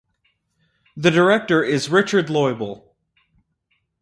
The director is Richard Loibl.